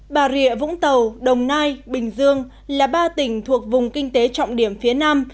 bà rịa vũng tàu đồng nai bình dương là ba tỉnh thuộc vùng kinh tế trọng điểm phía nam